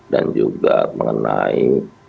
dan juga mengenai